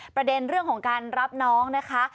ประเด็นเรื่องของการรับน้องนะคะ